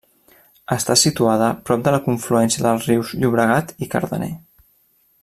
Està situada prop de la confluència dels rius Llobregat i Cardener.